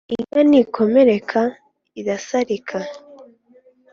Inka ntikomereka irasarika